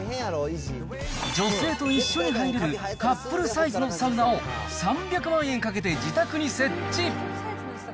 女性と一緒に入れる、カップルサイズのサウナを３００万円かけて自宅に設置。